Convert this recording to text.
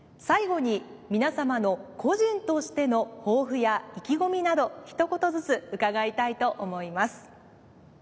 最後に皆様の個人としての抱負や意気込みなど一言ずつ伺いたいと思います。